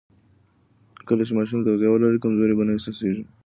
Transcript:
کله چې ماشوم تغذیه ولري، کمزوري به نه احساسېږي.